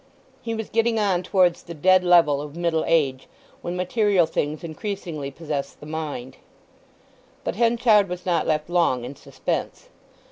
He was getting on towards the dead level of middle age, when material things increasingly possess the mind. But Henchard was not left long in suspense.